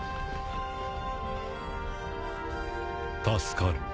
助かる。